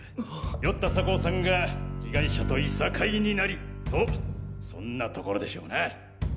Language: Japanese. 酔った酒匂さんが被害者といさかいになりとそんなところでしょうな。